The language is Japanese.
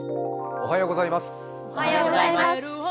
おはようございます。